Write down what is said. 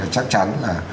chắc chắn là